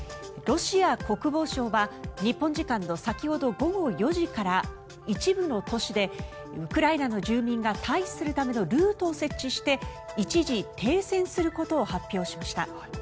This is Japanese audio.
ロシア国防省は日本時間の先ほど午後４時から一部の都市でウクライナの住民が退避するためのルートを設置して一時停戦することを発表しました。